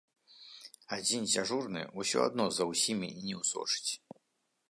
Адзін дзяжурны усё адно за ўсімі не ўсочыць.